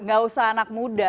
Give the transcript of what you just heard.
gak usah anak muda